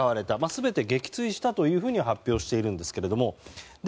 全て撃墜したと発表しているんですがで